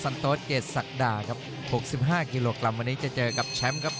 โต๊ดเกรดศักดาครับ๖๕กิโลกรัมวันนี้จะเจอกับแชมป์ครับ